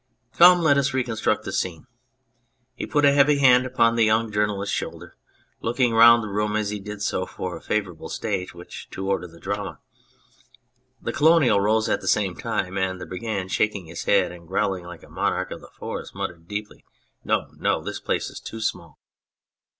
Come, let us reconstruct the scene." He put a heavy hand upon the young journalist's shoulder, looking round the room as he did so for a favourable stage upon which to order the drama. The Colonial rose at the same time, and the Brigand, shaking his head, and growling like a monarch of the forest, muttered deeply :" No, no, this place is too small